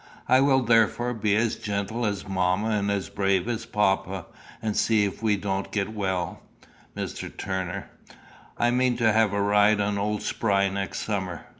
I will therefore be as gentle as mamma and as brave as papa, and see if we don't get well, Mr. Turner. I mean to have a ride on old Spry next summer.